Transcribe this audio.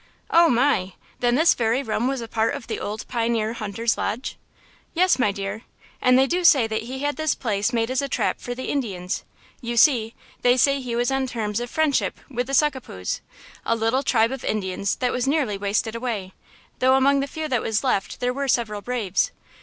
"Oh, my! then this very room was a part of the old pioneer hunter's lodge?" "Yes, my dear; and they do say that he had this place made as a trap for the Indians! You see, they say he was on terms of friendship with the Succapoos, a little tribe of Indians that was nearly wasted away, though among the few that was left there were several braves.